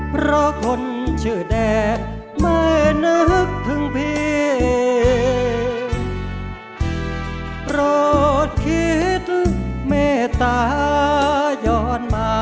เพราะคนชื่อแดกไม่นึกว่า